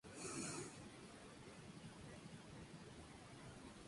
Escribió en el periódico "El Urbión", de donde fue echado.